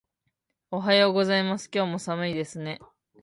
おはようございます。今日も寒いですね。